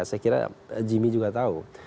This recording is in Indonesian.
saya kira jimmy juga tahu